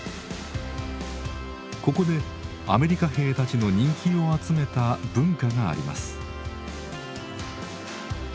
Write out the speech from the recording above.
ここでアメリカ兵たちの人気を集めた「文化」があります。